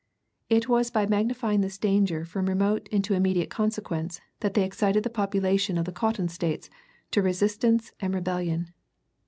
It was by magnifying this danger from remote into immediate consequence that they excited the population of the cotton States to resistance and rebellion.